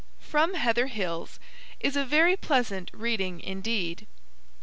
From Heather Hills is very pleasant reading indeed.